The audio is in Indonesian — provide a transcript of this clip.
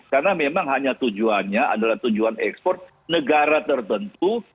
karena memang hanya tujuannya adalah tujuan ekspor negara tertentu